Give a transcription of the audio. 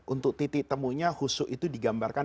untuk titik temunya husuk itu digambarkan